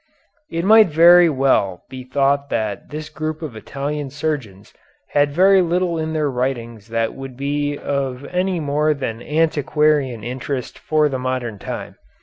It might very well be thought that this group of Italian surgeons had very little in their writings that would be of any more than antiquarian interest for the modern time.